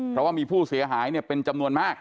เพราะว่ามีผู้เสียหายเป็นจำนวนมาก